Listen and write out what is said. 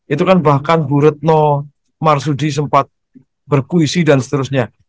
itu kan bahkan bu retno marsudi sempat berpuisi dan seterusnya